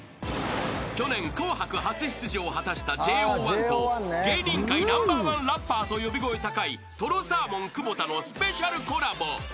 ［去年『紅白』初出場を果たしたＪＯ１と芸人界ナンバーワンラッパーと呼び声高いとろサーモン久保田のスペシャルコラボ］